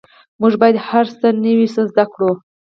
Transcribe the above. مونږ باید هره ورځ نوي څه زده کړو